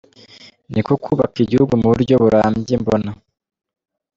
Niko kwubaka Igihugu ku buryo burambye mbona.